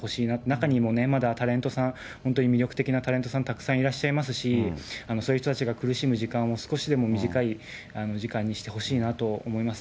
中にいるタレントさん、本当に魅力的なタレントさん、たくさんいらっしゃいますし、そういう人たちが苦しむ時間を少しでも短い時間にしてほしいなと思います。